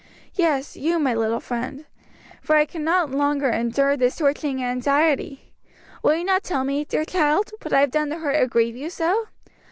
"Yes, you, my little friend, for I can no longer endure this torturing anxiety. Will you not tell me, dear child, what I have done to hurt or grieve you so?"